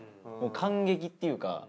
感激っていうか。